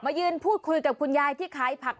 ยืนพูดคุยกับคุณยายที่ขายผัก